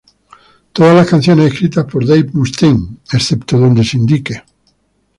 Todas las canciones escritas por Dave Mustaine, excepto donde se indique.